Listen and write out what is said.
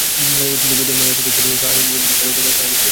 কিন্তু যদি লেজটুকুই থেকে যেত, আর ব্যাঙটা যেত শুকিয়ে, সে কি-রকম হত?